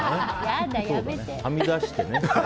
はみ出してね。